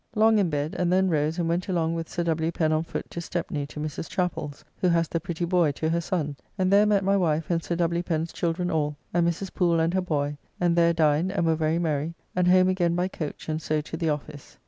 Long in bed, and then rose and went along with Sir W. Pen on foot to Stepny to Mrs. Chappell's (who has the pretty boy to her son), and there met my wife and Sir W. Pen's children all, and Mrs. Poole and her boy, and there dined and' were very merry, and home again by coach and so to the office.